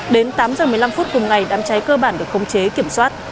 đến tám h một mươi năm phút cùng ngày đám cháy cơ bản được khống chế kiểm soát